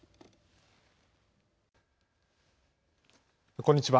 こんにちは。